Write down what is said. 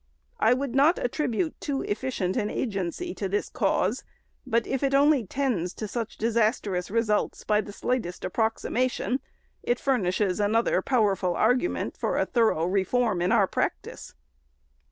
I would not attribute too efficient an agency to this cause, but if it only tends to such disastrous results by the slightest approximation, it furnishes another powerful argument for a thorough reform in our practice.